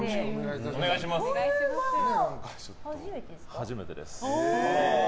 初めてです。